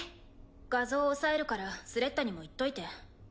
画像押さえるからスレッタにも言っといて。